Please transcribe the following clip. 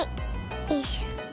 よいしょ。